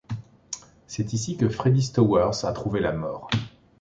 C'est ici que Freddie Stowers a trouvé la mort.